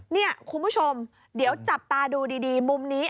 นี่คุณผู้ชมเดี๋ยวจับตาดูดีมุมนี้